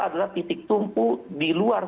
adalah titik tumpu di luar